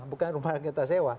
bukan rumah yang kita sewa